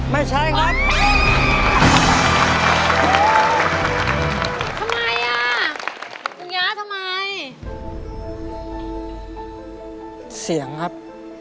ไม่ใช้ครับ